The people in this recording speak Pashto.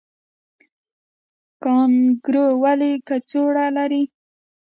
کانګارو ولې کڅوړه لري؟